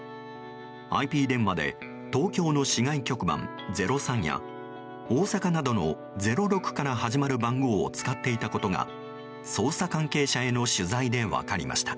ＩＰ電話で東京の市外局番０３や大阪などの０６から始まる番号を使っていたことが捜査関係者への取材で分かりました。